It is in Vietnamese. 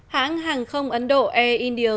hãng hàng không ấn độ air india